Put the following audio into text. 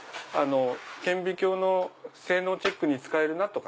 顕微鏡の性能チェックに使えるなとか。